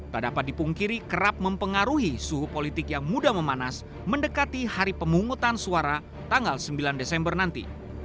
tak dapat dipungkiri kerap mempengaruhi suhu politik yang mudah memanas mendekati hari pemungutan suara tanggal sembilan desember nanti